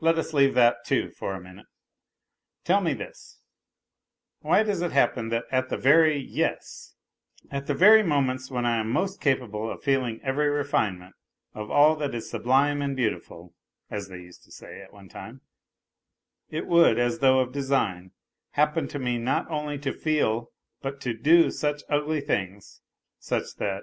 Let us leave that, too, for a minute. Tell me this : why does it happen that at the very, yes, at the very moments when I am most capable of feeling every refinement of all that is " good and beautiful," as they used to say at one time, it would, as though of design, happen to me not only to feel but to do such ugly things, such that.